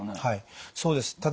はいそうです。